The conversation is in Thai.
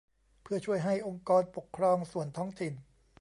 เพื่อช่วยให้องค์กรปกครองส่วนท้องถิ่น